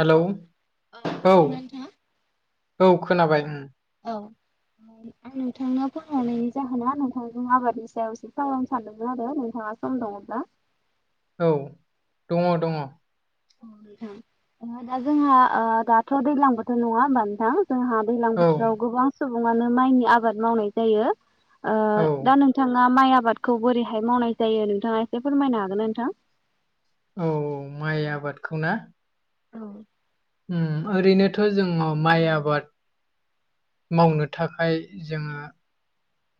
Hello औ औ खोनाबाय उम। औ आं नोंथांनो फन हरनायनि जाहोना नोंथांजों आबादनि सायाव एसे सावरायनो सानदोंमोन आरो नोंथाङा सम दङब्ला? औ दङ दङ औ नोंथां ओ दा जोंहा ओ दाथ' दैज्लां बोथोर नङा होनबा नोंथां जोंहा दैलां औ बोथोराव गोबां सुबुङानो माइनि आबाद मावनाय जायो ओ औ दा नोंथाङा माइ आबादखौ बोरैहाय मावनाय जायो नोंथाङा एसे फोरमायनो हागोन्ना नोंथां? औ औ माइ आबादखौ ना? औ। उम ओरैनोथ' जोङ माइ आबाद मावनो थाखाय जोङो।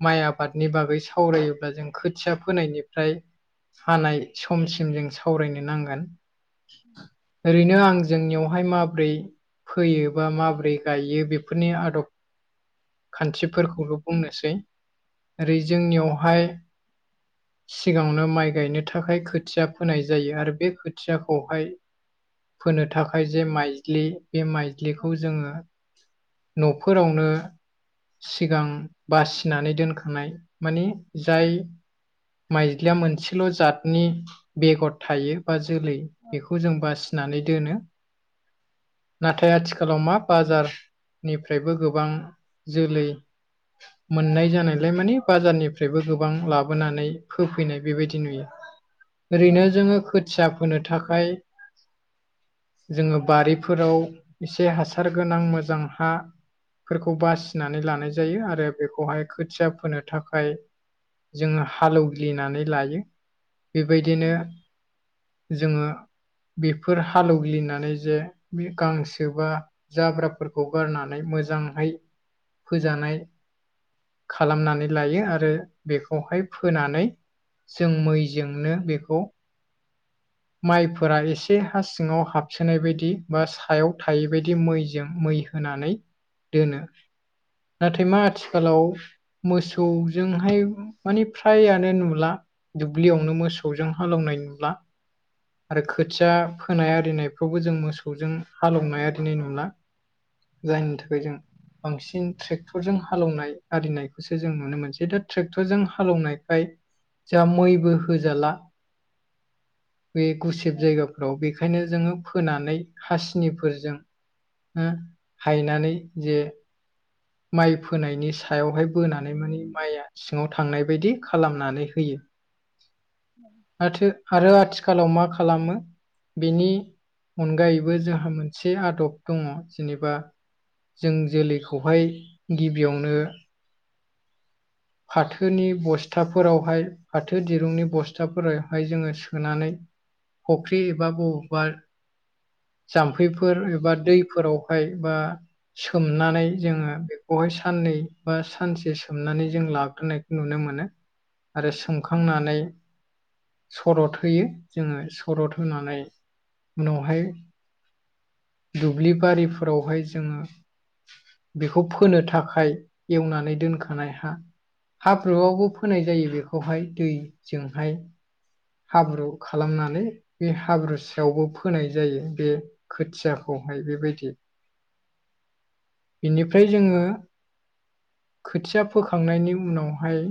माइ आबादनि बागै सावरायोब्ला जों खोथिया फोनायनिफ्राय सानाय समसिम जों सावरायनो नांगोन ओरैनो आं जोंनियावहाय माब्रै फोयो बा माब्रै गायो बेफोरनि आदब खान्थिफोरखौल बुंनोसै ओरै जोंनियावहाय [inaudible] सिगाङावनो माइ गायनो थाखाय खोथिया फोनाय जायो आरो बे खोथियाखौहाय फोनो थाखाय जे माइज्लि बे माइ ज्लिखौ जोङो न'फोरावनो सिगां बासि नानै दोनखांनाय माने जाय माइज्लिया मोनसेल' जातनि बेगर थायो बा जोलै बेखौ जों बासि नानै दोनो नाथाय आथिखालाव मा बाजार निफ्रायबो गोबां जोलै मोननाय जानायलाय माने बाजारनिफ्रायबो गोबां लाबोनानै होफैनाय बेबायदि नुयो ओरैनो जोङो खोथिया फोनो थाखाय जोङो बारिफोराव एसे हासार गोनां मोजां हा फोरखौ बासिनानै लानाय जायो आरो बेखौहाय खोथिया फोनो थाखाय जोङो हालौग्लिनानै लायो बेबायदिनो जोङो बेफोर हालौग्लिनानै जे बे गांसो बा जाब्राफोरखौ गारनानै मोजांहै फोजानाय खालामनानै लायो आरो बेखौहाय फोनानै जों मैजोंनो बेखौ माइफोरा एसे हा सिङाव हाबसोनाय बायदि बा सायाव थायै बायदि मैजों मै होनानै दोनो नाथाय मा आथिखालाव मोसौजोंहाय माने फ्रायानो नुला दुब्लियावनो मोसौजों हालौवनाय नुला आरो खोथिया फोनाय आरिनायफ्रावबो जों मोसौजों हालेवनाय आरिनाय नुला जायनि थाखाय जों बांसिन ट्रेक्टरजों हालौनाय आरिनायखौसो जों नुनो मोनसै दा ट्रेक्टरजों हालौनायखाय जाहा मैबो होजाला बे गुसेब जायगाफ्राव बेखायनो जोङो फोनानै हासिनिफोरजोंनो हायनानै जे माइ फोनायनि सायावहाय बोनानै मानि माइआ सिङाव थांनाय बायदि खालामनानै होयो औ माथो आरो आथिखालाव मा खालामो बेनि अनगायैबो जोंहा मोनसे आदब दङ जेनेबा जों जोलैखौहाय गिबियावनो [inaudible] फाथोनि बस्थाफोरावहाय फाथो दिरुंनि बस्थाफोरावहाय जोङो सोनानै फुख्रि एबा बबेबा जाम्फैफोर एबा दैफोरावहाय बा सोमनानै जोङो बे बेहाय साननै बा सानसे सोमनानै जों लाग्रोनायखौ नुनो मोनो आरो सों सुखांनानै सरद होयो जोङो सरद होनानै उनावहाय दुब्लि बारिफोरावहाय जोङो बेखौ फोनो थाखाय एवनानै दोनखानाय हा हा हाब्रुआवबो फोनाय जायो बेखौहाय दैजोंहाय हाब्रु खालामनानै बे हाब्रुसायावबो फोनाय जायो बे खोथियाखौहाय बेबायदि। [inaudible] बिनिफ्राय जोङो खोथिया फोखांनायनि उनावहाय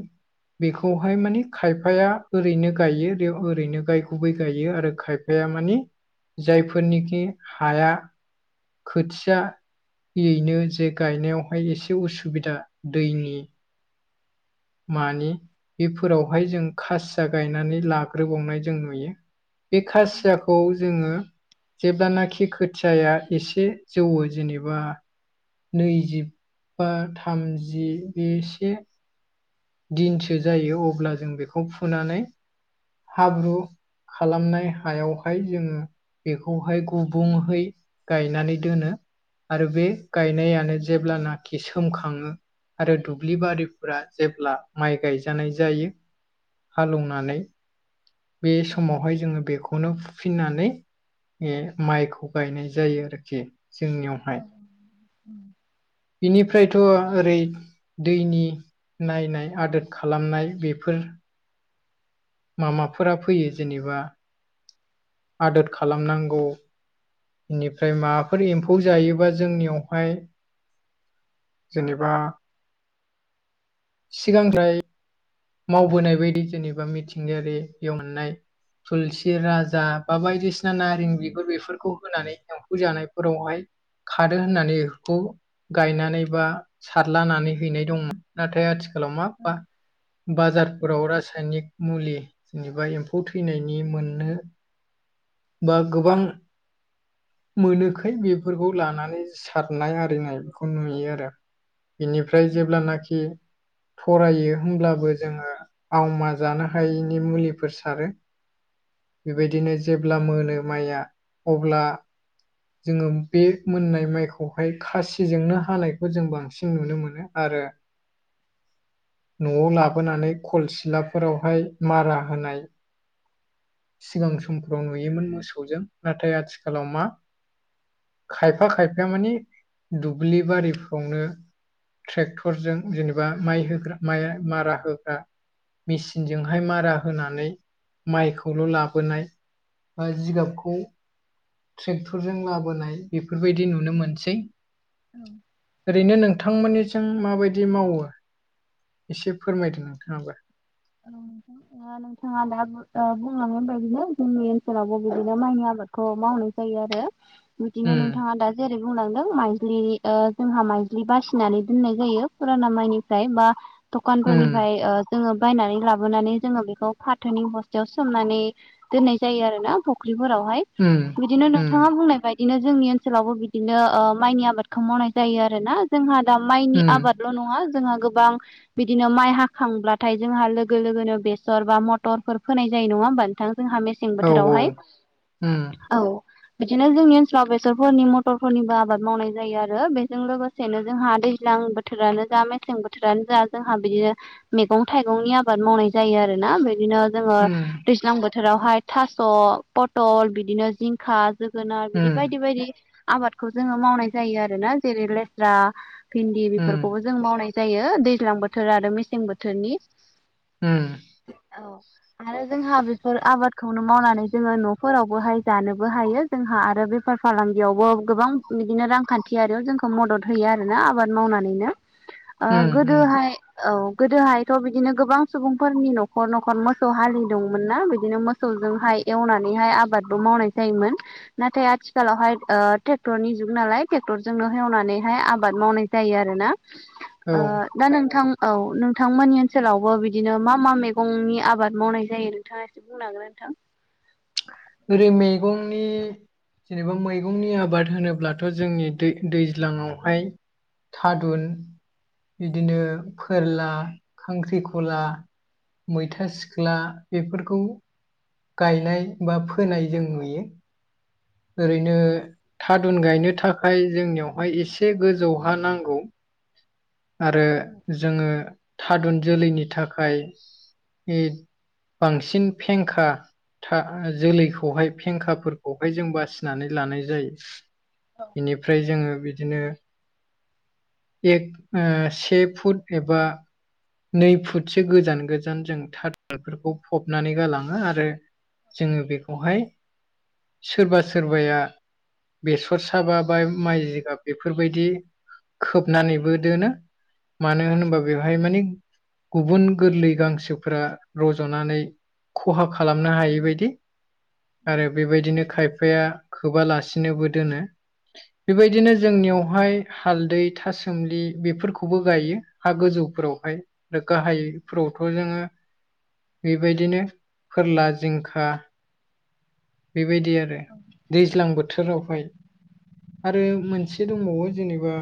बेखौहाय माने खायफाया ओरैनो गायो बेयाव ओरैनो गायो आरो खाय होया मानि जायफोरनिखि हाया खोथियायैनो जे गायनायावहाय एसे उसुबिदा दैनि मानि बेफोरावहाय जों खासिया गायनानै लाग्रोबावनाय जों नुयो बे खासियाखौ जोङो जेब्लानाखि खोथियाया एसे जौवो जेनेबा नैजिबा थामजिनि एसे दिनसो जायो अब्ला जों बेखौ फुनानै हाब्रु खालामनाय हायावहाय जोङो बेखौहाय गुबुंहै गायनानै दोनो आरो बे गायनायानो जेब्लानाखि सोमखाङो आरो दुब्लि बारिफोरा जेब्ला माइ गायजानाय जायो हालौवनानै बे समावहाय जोङो बेखौनो फुफिननानै माइखौ गायनाय जायो आरोखि जोंनियावहाय बिनिफ्रायथ' ओरै दैनि नायनाय आदोर खालामनाय बेफोर मामाफोरा फैयो जेनेबा आदोद खालामनांगौ बेनिफ्राय माबाफोर एम्फौ जायोबा जोंनियावहाय जेनेबा सिगांफ्राय मावबोनाय बायदि जेनेबा मिथिंगायारि एवनाय थुलसि राजा बा बायदिसिना नारें बिगुर बेफोरखौ होनानै एम्फौ जानायफोरावहाय खादो होननानै बेखौ गायनानै बा सारलानानै हैनाय दंमोन नाथाय आथिखालाव माबबा बाजारफोराव रासायनिक मुलि जेनेबा एम्फौ थैनायनि मोननो बा गोबां मोनोखै बेफोरखौ लानानै सारनाय आरिनायखौ नुयो आरो बेनिफ्राय जेब्लानाखि थरायो होमब्लाबो जोङो आवमा जानो हायैनि मुलिफोर सारो [inaudible] बेबायदिनो जेब्ला मोनो माइया अब्ला जोङो बे मोननाय माइखौहाय खासिजोंनो हानायखौ जों बांसिन नुनो मोनो आरो [inaudible] न'आव लाबोनानै खल सिलाफोरावहाय मारा होनाय सिगां समफोराव नुयोमोन मोसौजों नाथाय आथिखालाव मा खायफा खायफाया मानि दुब्लि बारिफ्रावनो ट्रेक्टरजों जेनेबा माइ होग्रा माइ मारा होग्रा मेसिनजोंहाय मारा होनानै माइखौल' लाबोनाय बा जिगाबखौ ट्रेक्टरजों लाबोनाय बेफोरबायदि नुनो मोनसै औ ओरैनो नोंथांमोननिजों माबायदि मावो एसे फोरमायदो नोंथाङाबो औ नोंथां नोंथाङा दा ओ बुंलांनाय बायदिनो जोंनि ओनसोलावबो बिदिनो माइनि आबाद अ मावनाय जायो आरो बिदिनो उम नोंथाङा दा जेरै बुंलांदों माइज्लि जोंहा माइज्लि बासिनानै दोननाय जायो फुराना माइनिफ्राय बा उम दखानफोरनिफ्राय ओ जोङो बायनानै लाबोनानै जोङो बेखौ फाथोनि बस्टाव सोमनानै दोननाय जायो आरो ना फुख्रिफोरावहाय हम बिदिनो नोंथाङा बुंनाय बायदिनो जोंनि ओनसोलावबो बिदिनो ओ माइनि आबादखौ मावनाय जायो आरोना जोंहा दा माइनि उम आबादल' नङा जोंहा गोबां बिदिनो माइ हाखांब्ला नाथाय जोंहा लोगो लोगोनो बेसर बा मटरफोर फोनाय जायो नङा होमबा नोंथां जोंहा मेसें सें औ औ बोथोरावहाय उम औ बिदिनो जोंनि ओनसोलाव बेसरफोरनि मटरफोरनिबो आबाद मावनाय जायो आरो बेजों लोगोसेनो जोंहा दैज्लां बोथोर बोथोरानो जा मेसें बोथोरानो जा जोंहा बिदिनो मैगं थाइगंनि आबाद मावनाय जायो आरोना बिदिनो जोङो उम दैज्लां बोथ थोरावहाय थास' पटल बिदिनो जिंखा जोगोनार बिदि उम बायदि बायदि आबादखौ जोङो मावनाय जायो आरो ना जेरै लेस्रा भिन्दि उम बेफोरखौबो जों मावनाय जायो दैज्लां बोथोर आरो मेसें बोथोरनि उम औ आरो जोंहा बेफोर आबादखौनो मावनानै जोङो न'फोरावबोहाय जानोबो हायो जोंहा आरो बेफार फालांगियावबो गोबां बिदिनो रांखान्थियारियाव जोंखौ मदद होयो आरोना आबाद मावनानैनो ओ उम उम गोदोहाय औ गोदोहायथ' बिदिनो गोबां सुबुंफोरनि न'खर न'खर मोसौ हालि दंमोन ना बिदिनो मो सौजोंहाय एवनानैहाय आबादबो मावनाय जायोमोन नाथाय आथिखालावहाय ओ ट्रेक्टरनि जुग नालाय ट्रेक्टरजोंनो हवनानैहाय आबाद मावनाय जायो आरोना औ ओ दा नोंथां औ नोंथांमोननि ओनसोलावबो बिदिनो मा मा मैगंनि आबाद मावनाय जायो नोंथाङा एसे बुंनो हागोन ना नोंथां? ओरै मैगंनि जेनेबा मैगंनि आबाद होनोब्लाथ' जोंनि दै दैज्लाङावहाय थादुन बिदिनो फोरला खांख्रिखला मैथा सिख्ला बेफोरखौ गायनाय बा फोनाय जों नुयो ओरैनो थादुन गायनो थाखाय जोंनियावहाय एसे गोजौहा नांगौ आरो जोङो थादुन जोलैनि थाखाय एज बांसिन फेंखा था जोलैखौहाय फेंखाफोरखौ फाय जों बासिनानै लानाय जायो बेनिफ्राय जोङो बिदिनो एक से फुट एबा नै फुटसो गोजान गोजान जों थाथफोरखौ फबनानै गालाङो आरो जोङो बेखौहाय सोरबा सोरबाया बेसर साबा बा माइ जिगाब बेफोरबायदि खोबनानैबो दोनो मानो होनोबा बेवहाय मानि गुबुन गोरलै गांसोफोरा रज'नानै खहा खालामनो हायैबायदि आरो बेबायदिनो खायफाया खोबालासिनोबो दोनो बेबायदिनो जोंनियावहाय हालदै था सोमलि बेफोरखौबो गायो हा गोजौफोरावहाय आरो गाहायफोरावथ' जोङो बेबायदिनो फोरला जिंखा बेबायदि आरो दैज्लां बोथोरावहाय। आरो मोनसे दंबावो जेनेबा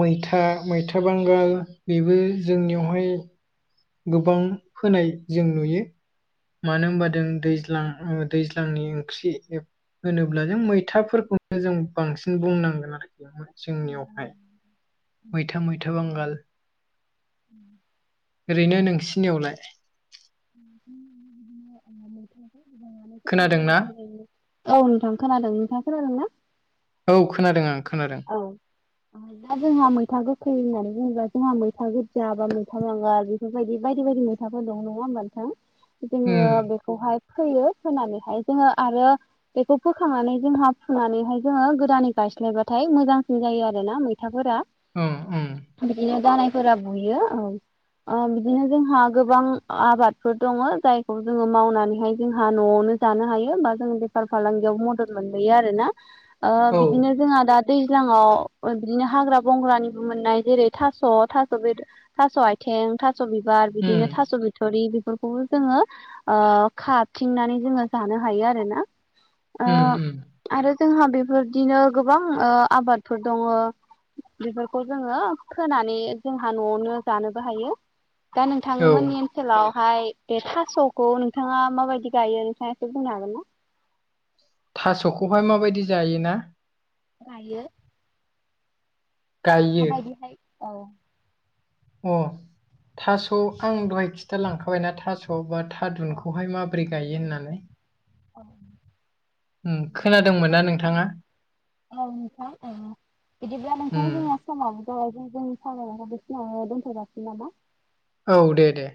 मैथा मैथा बांगाल बेबो जोंनियावहाय गोबां फोनाय जों नुयो मानो होनबा जों दैज्लां दैज्लांनि ओंख्रि होनोब्ला जों मैथाफोरखौनो जों बांसिन बुंनांगोन आरोखि जोंनियावहाय मैथा मैथा बांगाल [inaudible] ओरैनो नोंसिनियावलाय? [inaudible] खोनादोंना? औ नोंथां खोनादों नोंथाङा खोनादों ना? औ खोनादों आं खोनादों औ दा जोंहा मैथा गोखै होननानै बुङोबा जोंहा मैथा गोुरजया बा मैथा नङा बेफोरबायदि बायदि बायदि मैथा खोथाफोर दं नङा होनोमबथों जोङो उम बेखौहाय फोयो फोनानैहाय जोङो आरो बेखौ फोखांनानै जोंहा फुनानैहाय जोङो गोदानै गायस्लायबा म जोन म बि उम उम फोराराुयो औ बिदिनो जोंहा गोबां आबादफोर दङ जायखौ जोङो मावनानैहाय जोंहा न'आवनो जानो हायो बा जों बेफार फालांगियाव मदद मोनबोयो आरोना औ बिदिनो जोंहा दा दैज्लाङाव बिदिनो हाग्रा बंग्रानिबो मोननाय जेरै थास' थास' बे थास' आथिं थास' बिबार उम बिदिनो थास' बिथ सरि बेफोरखौबो जोङो खाथिंनानै जोङो जानो हायो आरो ना उम उम आरो जोंहा बेफोरदिनो गोबां आबादफोर दङ बेफोरखौ जोङो फोनानै जोंहा न'आवनो जानोबो हायो दा औ नोंथांमोन हनटेलावहाय बे थास'खौ नोंथाङा माबायदि गायो नोंथाङा एसे बुंनो हागोन ना थास'खौहाय माबायदि जायोना गायो गायो माबायदिहाय औ अ थास' आं दहाय खिथा लांखाबायना थास' बा थारुनखौहाय माब्रै गायो होननानै औ खोनादोंमोन ना नोंथाङा औ नोंथां औ बिदिब्ला उम नोंथांनि जोंङ समाव ज जों जों सागखौ बेसिांनो दोनथ'गासिनो नामा औ दे दे